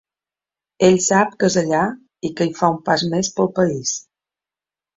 Ell sap que és allà i que hi fa un pas més pel país.